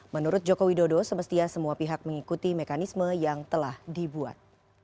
menurut joko widodo semestinya semua pihak mengikuti mekanisme yang telah dibuat